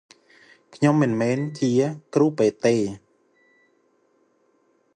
ខ្ញុំមិនមែនជា គ្រូពេទ្យទេ ។